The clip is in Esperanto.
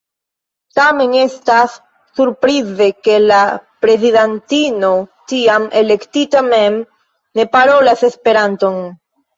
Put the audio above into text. Tamen, estas surprize ke la prezidantino tiam elektita mem ne parolas Esperanton.